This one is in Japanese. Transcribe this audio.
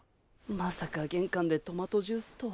まさか玄関でトマトジュースとは。